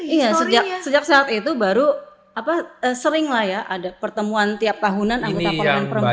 iya sejak saat itu baru sering lah ya ada pertemuan tiap tahunan anggota parlemen perempuan